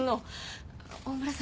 大村さん